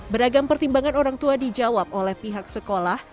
beragam pertimbangan orang tua dijawab oleh pihak sekolah